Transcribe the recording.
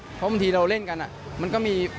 เพราะบางทีเราเล่นกันมันก็มี